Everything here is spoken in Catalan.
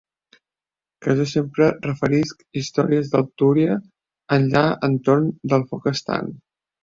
Que jo sempre referisc històries del Túria enllà entorn del foc estant.